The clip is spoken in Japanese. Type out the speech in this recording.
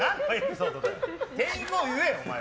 天狗を言え、お前は。